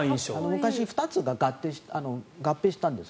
昔、２つが合併したんです。